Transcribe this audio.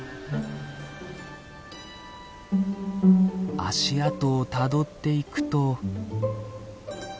足跡をたどっていくと。